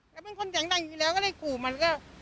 แล้วเป็นคนแดงอยู่อยู่แล้วก็เลยกลุ่มมันก็